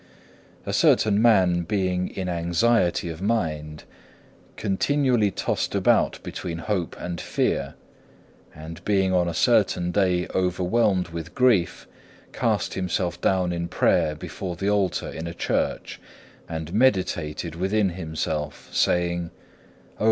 2. A certain man being in anxiety of mind, continually tossed about between hope and fear, and being on a certain day overwhelmed with grief, cast himself down in prayer before the altar in a church, and meditated within himself, saying, "Oh!